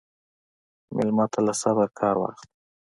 مېلمه ته له صبره کار واخله.